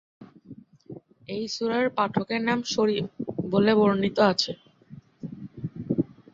এই সূরার পাঠকের নাম ""শরীফ"" বলে বর্ণিত আছে।